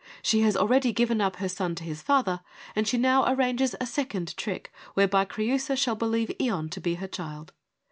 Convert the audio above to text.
She has already given up her son to his father, and she now arranges a second trick whereby Creiisa shall believe Ion to be her child.